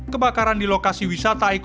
kebakaran di lokasi wisata